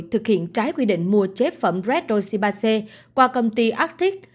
thực hiện trái quy định mua chế phẩm red losibase qua công ty arctic